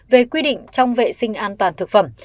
về quy định trong vệ sinh an toàn thực phẩm